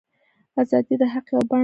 ازادي د حق یوه بڼه ده.